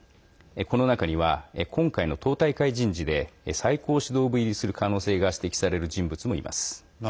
この中には今回の党大会人事で最高指導部入りする可能性が指摘される人物もいます。